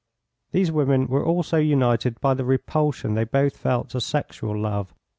These women were also united by the repulsion they both felt to sexual love.